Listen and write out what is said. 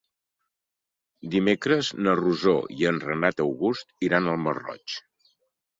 Dimecres na Rosó i en Renat August iran al Masroig.